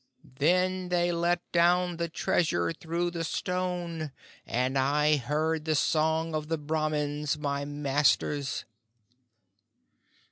Then they let down the treasure through the stone, and I heard the song of the Brahmins my masters."